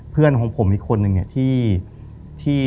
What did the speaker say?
เพื่อนของผมอีกคนนึงเนี่ยที่